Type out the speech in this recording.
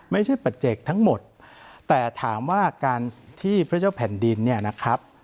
ไม่ใช่ปัจเจกทั้งหมดแต่ถามว่าการที่พระเจ้าแผ่นดินเนี่ยนะครับ